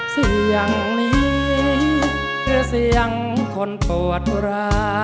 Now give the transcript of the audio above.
เสียงนี้คือเสียงคนปวดอุรา